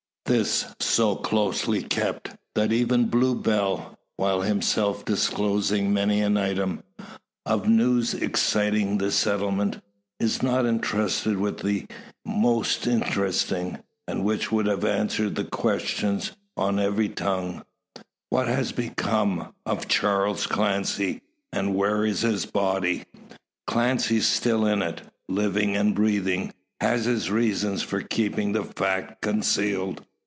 This, so closely kept, that even Blue Bill, while himself disclosing many an item, of news exciting the settlement, is not entrusted with one the most interesting, and which would have answered the questions on every tongue: "What has become of Charles Clancy?" and "Where is his body?" Clancy still in it, living and breathing, has his reasons for keeping the fact concealed.